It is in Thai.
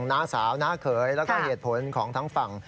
น้าสาวน้าเขยแล้วก็เหตุผลของทั้งฝั่ง